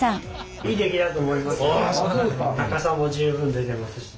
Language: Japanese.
高さも十分出てますし。